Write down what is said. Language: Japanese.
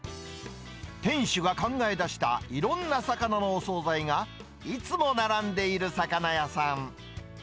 店主が考え出したいろんな魚のお総菜が、いつも並んでいる魚屋さん。